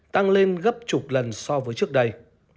tăng lên gấp chục lần so với trước đây